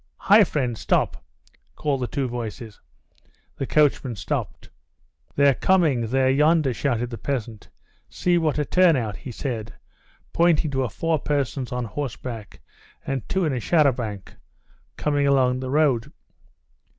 Hi, friend! Stop!" called the two voices. The coachman stopped. "They're coming! They're yonder!" shouted the peasant. "See what a turn out!" he said, pointing to four persons on horseback, and two in a char à banc, coming along the road.